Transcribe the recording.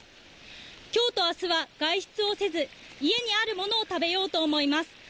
きょうとあすは外出をせず家にあるものを食べようと思います。